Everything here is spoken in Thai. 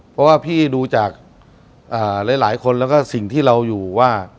เพราะว่าพี่ดูจากหลายคนแล้วก็สิ่งที่เราอยู่ว่า